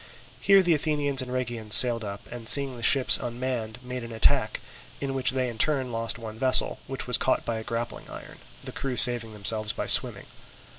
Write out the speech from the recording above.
Here the Athenians and Rhegians sailed up, and seeing the ships unmanned, made an attack, in which they in their turn lost one vessel, which was caught by a grappling iron, the crew saving themselves by swimming.